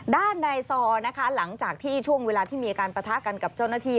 ด้านในซอนะคะหลังจากที่ช่วงเวลาที่มีการปะทะกันกับเจ้าหน้าที่